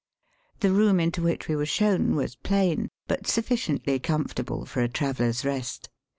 The room into which we were shown was plain, hut suflSciently comfortahle for a traveller's rest.